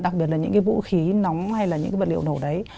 đặc biệt là những cái vũ khí nóng hay là những cái vật liệu nổ đấy